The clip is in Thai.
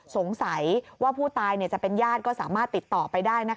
สงสัยว่าผู้ตายจะเป็นญาติก็สามารถติดต่อไปได้